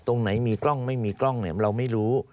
ตรงไหนมีกล้องไม่มีกล้องเราไม่รู้